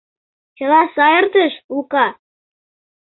— Чыла сай эртыш, Лука?